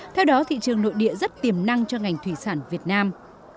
theo đó thị trường nội địa rất tiềm năng cho ngành thủy sản việt nam